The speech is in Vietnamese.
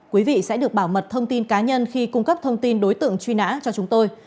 quý vị sẽ được bảo mật thông tin cá nhân khi cung cấp thông tin đối tượng truy nã cho chúng tôi